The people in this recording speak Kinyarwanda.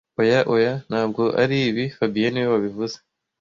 Oya, oya! Ntabwo aribi fabien niwe wabivuze